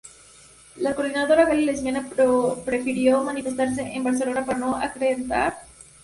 La Coordinadora Gai-Lesbiana prefirió manifestarse en Barcelona, para no acrecentar la tensión en Sitges.